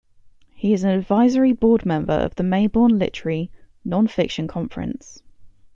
He is an advisory board member of the Mayborn Literary Nonfiction Conference.